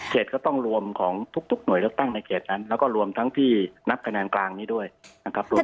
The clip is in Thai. ก็ต้องรวมของทุกหน่วยเลือกตั้งในเขตนั้นแล้วก็รวมทั้งที่นับคะแนนกลางนี้ด้วยนะครับรวม